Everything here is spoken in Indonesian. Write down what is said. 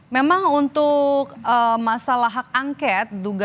memang untuk masalah hak angket